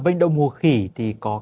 bệnh động mùa khỉ thì có các